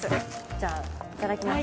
じゃあいただきます。